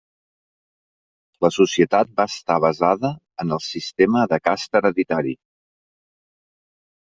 La societat va estar basada en el sistema de casta hereditari.